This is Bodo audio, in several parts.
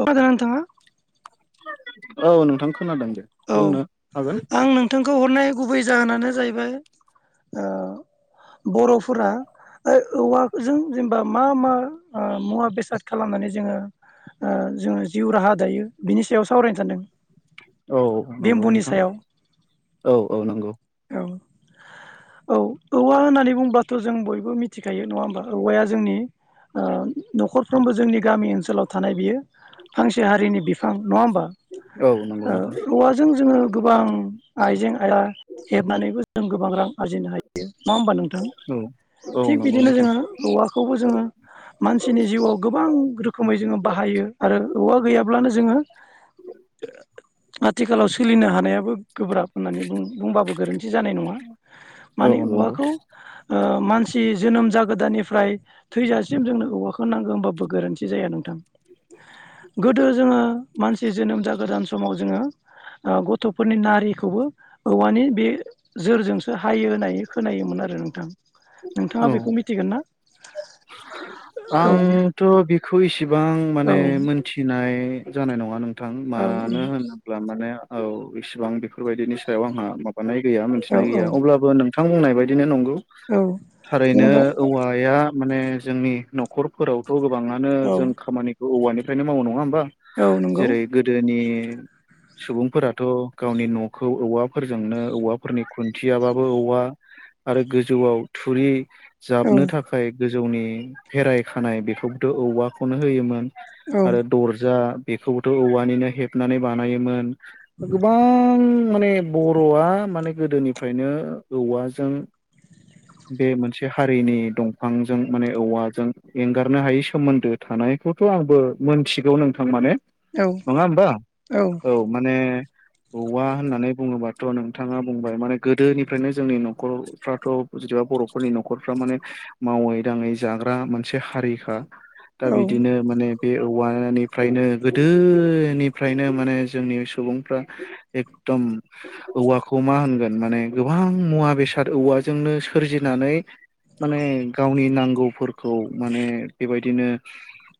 खोना दोंना नोंथाङा औ नोंथां खोनादों दे औ बुंनो हागोन आं नोंथांखौ हरनाय गुबै जाहोनानो जाहैबाय ओ बरफोरा औवाजों जेनेबा मा मा ओ मुवा बेसाद खालामनानै जोंङो ओ जोंङो जिउ राहा दायो बिनि सायाव सावरायनो सानदों औ औ नंगौ बेम्बुनि नोंथां सायाव औ औ नंगौ औ औ औवा होननानै बुंबाथ जों बयबो मिथिखायो नङा होमबा औवाया जोंनि ओ नखरफ्रोमबो जोंनि गामि ओनसोलाव थानाय बियो फांसे हारिनि बिफां नङा होमबा औ नंगौ ओ नोंथां औवाजों जोंङो गोबां आइजें आइला हेबनानैबो जों गोबां रां आरजिनो हायो नङा होमबा नों थां औ औ थिग नंगौ बिदिनो नोंथां जोंङो औवाखौबो जोंङो मानसिनि जिउआव गोबां रोखोमै जोंङो बाहायो आरो औवा गैयाब्लानो जोंङो आथिखालाव सोलिनो हानायाबो गोब्राब होननानै बुङो बुंबाबो गोरोन्थि जानाय नङा औ माने नंगौ औवाखौ ओ मानसि जोनोम जागोदानानिफ्राय थैजासिम जोंनो औवाखौ नांगौ होनबाबो गोरोन्थि जाया नोंथां गोदो जोंङो मानसि जोनोम जागोदान समाव जोंङो ओ गथफोरनि नारिखौबो औवानि बे जोरजोंसो हायो होननानै खोनायोमोन आरो नोंथां औ नोंथाङा बेखौ मिथिगोन ना औ आंथ बेखौ इसिबां औ माने मोनथिनाय जानाय नङा नों थां औ मानो होनोब्ला माने औ इसिबां बेफोरबायदिनि सायाव आंहा मा मानाय गैया मिथिनाय गैया अब्लाबो नोंथां बुंनाय बायदिनो नंगौ औ थारैनो जेनेबा औवाया माने जोंनि नखरफोरावथ गोबाङानो औ जों खामानिखौ औवानिफ्रायनो मावो नङा होमबा औ नंगौ जेरै गोदोनि सुबुंफोराथ गावनि नखौ औवाफोरजोंनो औवाफोरनि खुन्थियाबाबो औवा आरो गोजौआव थुरि औ जाबनो थाखाय गोजौनि भेराय खानाय बेखौबोथ औवाखौनो होयोमोन औ आरो दरजा बेखौबोथ औवानिनो हेबनानै बानायोमोन गोबां माने बरआ माने गोदोनिफ्रायनो औवाजों बे मोनसे हारिनि दंफांजों माने औवाजों एंगारनो हायि सोमोन्दो थानाय बे खौथ आंबो मोनथिगौ नोंथां माने औ नङा होमबा औ माने औवा होननानै बुङोबाथ नोंथाङा बुंबाय माने गोदोनिफ्रायनो जोंनि नखरफ्राथ जेनबा बरफोरनि नखरफ्रा माने मावै दाङै जाग्रा मोनसे हारिखा दा बिदिनो माने बे औवा निफ्रायनो गोदोनिफ्रायनो माने जोंनि सुबुंफ्रा एकदम औवाखौ मा होनगोन माने गोबां मुवा बेसाद औवाजोंनो सोरजिनानै माने गावनि नांगौफोरखौ माने बेबायदिनो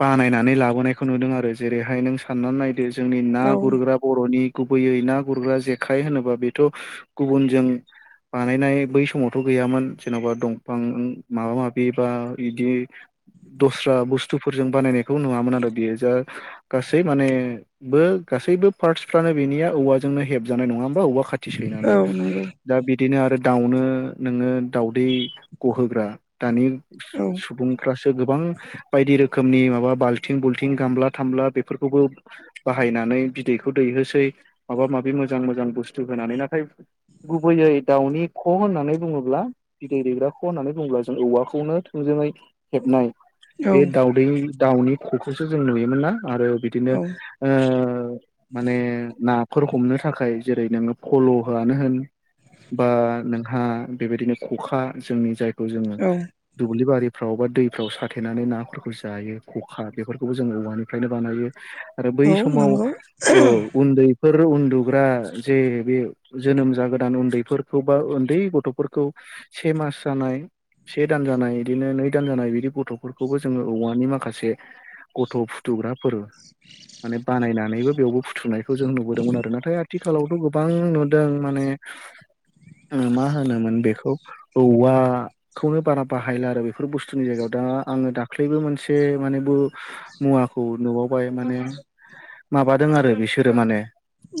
बानायनानै लाबोनायखौ नुदों आरो जेरैहाय नों साननानै नायदो जोंनि ना औ गुरग्रा बर'नि गुबैयै ना गुरग्रा जेखाइ होनोबा बेथ' गुबुनजों बानायनाय बै समावथ' गैयामोन जेन'बा दंफां माबा माबि बा बिदि दस्रा बुस्थु फोरजों बानायनायखौ नुवामोन आरो बियो जा गासै माने बो गासैबो पार्टसफ्रानो बे नि औव जोंनो हेबजानाय नङा हबा औवा खाथि औ सैनानै नंगौ दा बिदिनो आरो दाउनो नोङो दाावदै गहोग्रा दानि सुबुंफ्रासो गोबां बायदि रोखोम रोखोमनि माबा बाल्थिं बुल्थिं गामला थामला बेफोरखौबो बाहायनानै बिदैखौ दैहोसै माबा माबि मोजां मोजां बुस्थु होनानै नाथाय गुबैयै दाउनि ख' होननानै बुङोब्ला बिदै दैग्राखौ होन्नानै बुङोब्ला जों औवाखौनो थोंजोङै हेबनाय बे दाउदै दाउनि ख'खौसो जों नुयोमोन ना? आरो बिदिनो माने नाफोर हमनो थाखाय जेरै नोङो फल' हो आनो होन बा नोंहा बेबायदिनो खखा जोंनि जायखौ जोङो दुब्लि बारि फ्राव बा दैफ्राव साथेनानै नाफोरखौ जायो खखा बेफोरखौबो जों औवानिफ्रायनो बानायो। आरो बै समाव ओ उन्दैफोर र उन्दुग्रा जे बे जोनोम जागोदान उन्दैफोरखौ बा उन्दै गथ'फोरखौ खौ से मास जानाय से दान जानाय बिदिनो नै दान जानाय बिदि गथ'फोरखौबो जोङो औवानि माखासे गथ' फुथुग्राफोर माने बानायनानैबो बेयावबो फुथुनाय बे खौ जों नुबोदोंमोन आरो नाथाय आथिखालावथ' गोबां नुदों माने मा ओ होनोमोन बेखौ औवाखौनो बारा बाहायला आरो बेफोर बुस्थुनि जायगायाव दा आङो दाल्खैबो मोनसे एसे मानेबो मुवाखौ नुबावबाय माने माबादों आरो बिसोरो माने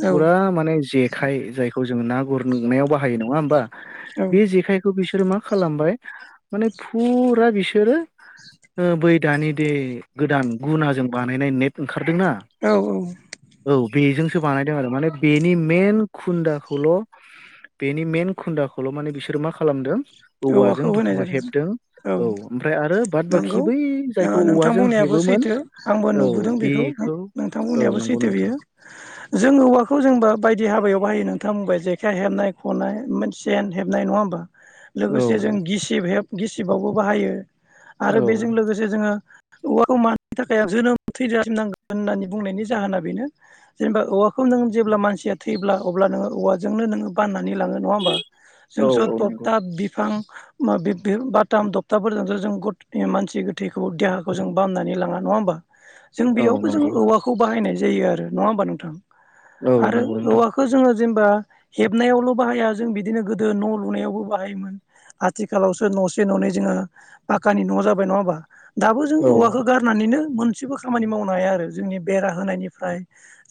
औ फुरा माने जेखाय जायखौ जों ना गुरनायाव बाहायो नङा होमबा? बे जेखाइखौ बिसोरो मा खालामबाय माने फुरा बिसोरो ओ बै दानि दे गोदान गुनाजों बानायनाय नेट ओंखारदोंना औ औ। बेजोंसो बानायदों आरो माने बेनि मेन खुन्दाखौल' बेनि मेन खुन्दाखौल' माने बिसोरो मा खालामदों औवाजों औवाखौ होनाय [unintelligible] जादों हेबदों औ ओमफ्राय आरो बाद बाखि नंगौ बै ओ जायखौ नोंथां औवाजों बुंनायाबो हेबो सैथो आंबो नुबोदों बेखौ नोंथां औ बुंनायाबो नंगौ सैथो नोंथां बेयो। जों औवाखौ जोंबा बायदि हाबायाव बाहायो नोंथां बुंबाय जेखाइ हेबनाय खनाय सेन हेबनाय नङा होमबा? औ लोगोसे जों गिसिब हेब गिसिबावबो बाहायो आरो औ बेजों लोगोसे जोङो औवाखौ मानि थाखाय आं जोनोम थैजासिम नांगौ होननानै बुंनायनि जाहोना बेनो जेनेबा औवाखौ नों जेब्ला मानसिया थैयोब्ला अब्ला नोङो औवाजोंनो नोङो बाना नानै लाङो नङा होनबा? औ जोंसो औ नंगौ थखता बि [unintelligible] बाथाम थखथाफोरजोंसो जों गत मानसि गोथैखौ देहाखौ जों बामनानै लाङा नङा होमबा जों औ बेयावबो जों नंगौ औवाखौ बाहायनाय जायो आरो नङा होमबा नोंथां? औ आरो नंगौ नोंथां औवाखौ जोङो जेनेबा हेबनायावल' बाहाया जों बिदिनो गोदो न' लुनायावबो बाहायोमोन। आथिखालावसो न'से न'नै जोङो पक्कानि न' जाबाय नङा होमबा? दाबो जों औ औवाखौ गारनानैनो मोनसेबो खामानि मावनो हाया आरो जोंनि बेरा होनायनिफ्राय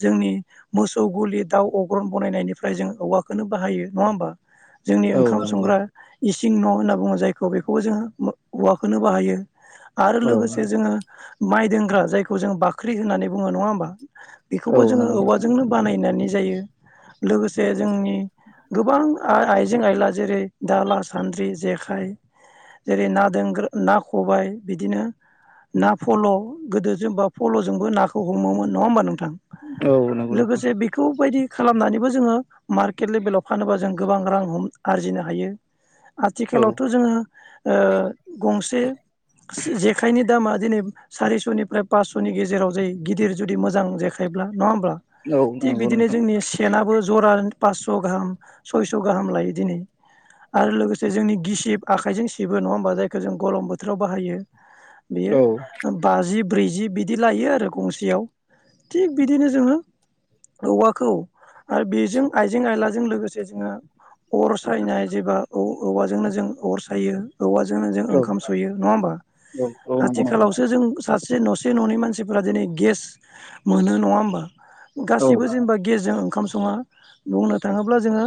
जोंनि मोसौ गलि दाउ अग्रन बनायनायनिफ्राय जों औवाखौनो बाहायो नङा होमबा जोंनि औ ओंखाम नंगौ संग्रा इसिं न' होनना बुङो जायखौ बेखौबो जोङो हौवाखौनो बाहायो। आरो औ लोगोसे जोङो माइ दोनग्रा जायखौ जों बाख्रि होननानै बुङो नङा होमबा? बेखौबो औ जोङो नंगौ नोंथां औवाजोंनो बानायनानै जायो लोगोसे जोंनि गोबां आइजें आ -आइला जेरै दाला'सान्द्रि, जेखाइ जेरै ना दोंनग्रा ना खबाय बिदिनो ना फल' गोदो जेनबा फल'जोंबो नाखौ हमोमोन नङा होमबा नों थां औ नंगौ नोंथां लोगोसे बेखौबायदि खालामनानैबो जोङो मार्केट लेभेलाव फानोबा जों गोबां रां हम आरजिनो हायो औ आथिखालावथ' जोङो ओ गंसे जे-जेखाइनि दामा दिनै सारिस'निफ्राय पासस'नि गेजेराव जायो गिदिर जुदि मोजां जेखायब्ला। नङा होमब्ला औ थिग नंगौ बिदिनो नोंथां जोंनि सेनाबो जरा पास्स गाहाम सयस गाहाम लायो दिनै आरो लोगोसे जोंनि गिसिब आखाइजों सिबो नङा होमबा जायखौ जों गरम बोथोराव बाहायो औ बेयो बाजि ब्रैजि बिदि लायो आरो गंसेयाव थिग बिदिनो जोङो औवाखौ आरो बेजों आइजें आयलाजों लोगोसे जोङो अर सायनाय जेबा औवाजोंनो जों अर सायो औवाजोंनो जों औ ओंखाम सयो नङा होमबा औ औ नंगौ नोंथां आथिखालावसो जों सासे जे नसे ननै मानसिफोरा दिनै गेस मोनो नङा होमबा औ गासिबो जेनेबा गेसजों ओंखाम सङा बुंनो थाङोब्ला जोङो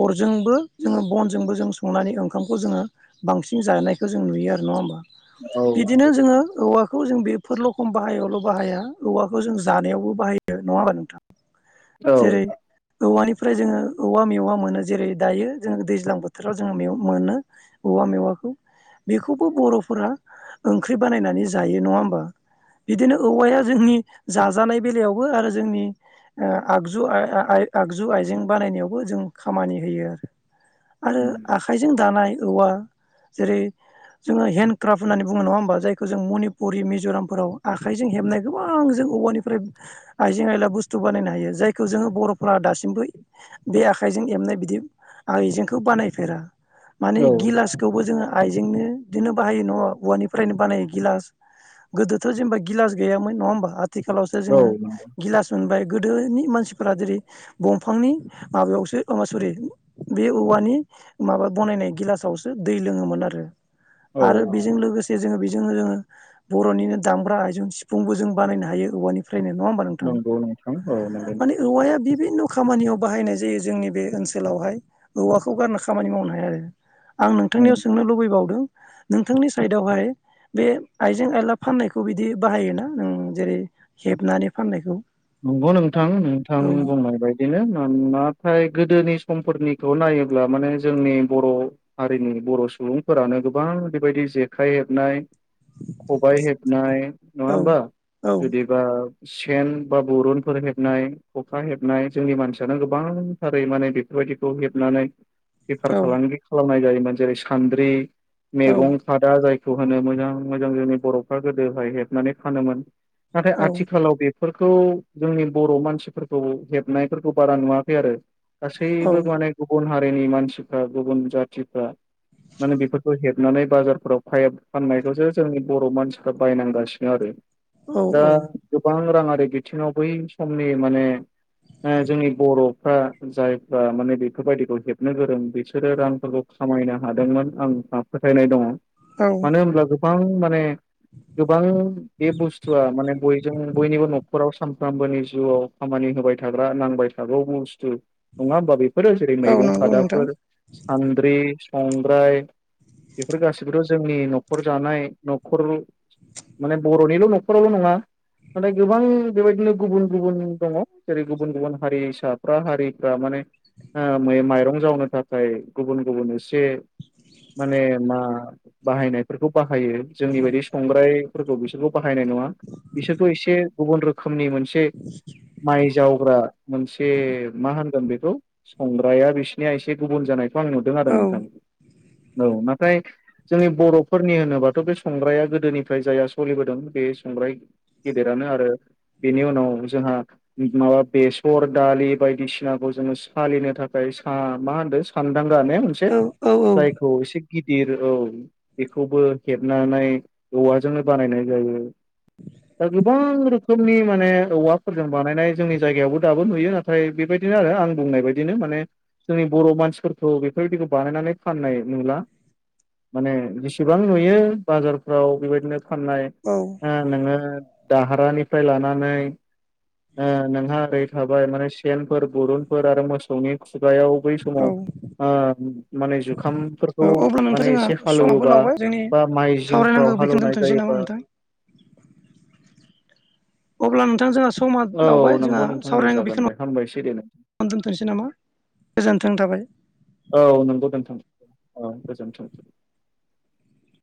अरजोंबो जोङो बनजोंबो जों संनानै ओंखामखौ जोङो बांसिन जानायखौ जों नुयो आरो नङा होमबा बिदिनो नंगौ जोङो औवा खौ जों बेफोरलखम बाहायावल बाहाया औवाखौ जों जानायावबो बाहायो नङा हबा नोंथां औ औ जेरै औवानिफ्राय जोङो औवा मेवा मोनो जेरै दायो जोङो दैज्लां बोथोराव जोङोे मोनो औवा मेवाखौ बेखौबो बरफोरा ओंख्रि बानायनानै जायो नङा होमबा बिदिनो औवाया जोंनि जाजानाय बेलायावबो आरो जोंनि ओ आगजु आगजु आइजें बानायनायावबो जों खामानि होयो आरो नंगौ आखाइजों दानाय औवा जेरै जोङो हेन्दडक्राफ्ट होननानै बुङो नङा होमबा जायखौ जों मनिपुरि मिजरामफोराव आखाइजों हेबनाय गोबां जों औवानिफ्राय आइजें आइला बुस्थु बानायनो हायो जायखौ जोङो बरफोरा दासिमबो बे आखाइ आखाइजों हेबनाय‌ बिदि आइजेंखौ बानायफेरा माने गिलासखौबो जोंङो आइजें बेजोंनो बिदिनो बाहायो न औवानिफ्रायनो बानायो गिलास गोदोथ जेनेबा गिलास गैयामोन नङा होमबा आथिखालावसो जोङो औ गिलास मोनबाय गोदोनि मानसिफोरा जेरै दंफांनि माबायावसो अ सरि बे औवानि माबा बनायनाय गिलासावसो दै लोङोमोन आरो आरो बेजों लोगोसे जोङो जोंङो जोंङो बर'निनो दामग्रा आइजुं सिफुंबो बानायनो हायो औवानि फ्रायनो नङा होमबा नोंथां नंगौ नोंथां औ माने नंगौ औवाया बिभिनन खामानियाव बाहायनाय जायो जोंनि बे ओनसोलावहाय औवाखौ गारना खामानि मावनो हाया आरो आं नोंथांनियाव सोंनो लुबैबावदों नोंथांनि साइदावहाय बे आइजें आयला फाननायखौ बिदि बाहायोना नों जेरै हेबनानै फाननायखौ नंगौ नोंथां नोंथां औ बुंनाय बायदिनो मानोना नाथाय गोदोनि समफोरनिखौ नायोब्ला माने जोंनि बर हारिनि बर सुबुंफोरानो गोबां बेबायदि जेखाइ हेबनाय खबाइ हेबनाय नङा औ होमबा औ जुदिबा सेन बा बरुनफोर हेबनाय खखा हेबनाय जोंनि मानसियानो गोबांथारै माने बेफोरबायदिखौ हेबना नै बेफार औ फालांगि खालामनाय जायो जेरै सान्द्रि औ मैगं खादा जाय खौ होनो मोजां मोजां जोंनि बरफ्रा गोदोहाय हेबनानै फानोमोन नाथाय औ आथिखालाव बेफोर खौ जोंनि बर मानसिफोरखौ हेबनायफोरखौ बारा नुवाखै आरो गासैबो माने गुबुन हारिनि मानसिफ्रा गुबुन जाथिफ्रा माने बेफोरखौ हेबनानै बाजारफोराव फाइप फाननायखौसो जोंनि बर' मानसिफ्रा बायनांगासिनो आरो औ दा औ गोबां राङारि बिथिङाव बै समनि माने ओ जोंनि बर'फ्रा जायफ्रा माने बेफोरबायदिखौ हेबनो गोरों बिसोरो रांफोरखौ खामायनो हादोंमोन आं फोथायनाय दङ औ मानो होनब्ला गोबां माने गोबां बे बुस्थुआ माने बयजों बयनिबो न' आराव सानफ्रामबोनि जिउआव खामानि होबाय थाग्रा नांबाय थागौ बुस्थु नङा होमा बे फोरो जेरै औ मैगं नंगौ नोंथां खादाफोर सान्द्रि संग्राय बेफोर गाैबोथ' जोंनि न'खर जानाय न'खर माने बर'निल' न'खरावल' नङा नाथाय गोबां बेबायदिनो गुबुन गुबुन दङ जेरै गुबुन गुबुन हारिसाफ्रा हारिफ्रा माने माइरं जावनो थाखाय गुबुन गुबुन एसे माने मा बाहायनायफोरखौ बाहायो जोंनि बायदि संग्राय बिसोरखौ बाहायनाय नङा बिसोरखौ एसे गुबुन रोखोमनि मोनसे मोनसे माइ जावग्रा मोनसे मा होन बेखौ संग्राया बिसिनिया एसे गुबुन जानायखौ आं नुदों आरो औ नोंथां औ माथाय जोंनि बर'फोरनि होनोबाथ' बे संग्राया गोदोनिफ्राय जायाहा सोलिबोदों बे संग्राय गेदेरा आरो बेनि उनाव जोंहा माबा बेसर दालि बायदिसिनाखौ जोङो सालिनो थाखाय स मा होनो सानदांग ने मोनसे औ औ औ जायखौ एसे गिदिर औ बेखौबो हेबनानै औवाजोंनो बानायनाय जायो दा गोबां रोखोम जोंनि माने औवाफोरजों बानायनाय जोंनि जायगायावबो दाबो नुयो नाथाय बेबायदिनो आरो आं बुंनाय बायदिनो माने जोंनि बर' मानसिफोरखौ बेफोरबायदिखौ बानायनानै फाननाय नुला माने जेसेबां नुयो बाजारफ्राव बेबायदिनो फाननाय औ नोङो दाहारानिफ्राय लानानै नोंहा ओरै थाबाय माने सेनफोर बरुनफोर आरो मोसौनि गाया बै समुमाव माने जुखामफोरखौ औ अब्ला नोंथां माने जोंहा एसे समाबो हालेवोबा लावबाय जोंनि बा माइ जिंफ्राव सावरायनांगौ बेखौनो हालौवनाय दोनथ'नोसै जायोबा नामा नोंथां अब्ला नोंथां जोंहा समा औ लावबाय नंगौ जोंहा नोंथां दे सावरायनांगौ जागोन बेखौ दे हामबायसै दे दोन्थ'नोसै नामा? गोजोन्थों थाबाय औ नंगौ दोनथों औ गोजोनथों।